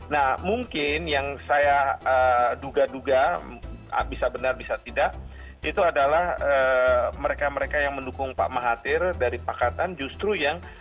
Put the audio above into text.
nah mungkin yang saya duga duga bisa benar bisa tidak itu adalah mereka mereka yang mendukung pak mahathir dari pakatan justru yang